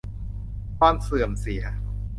ความเสื่อมเสีย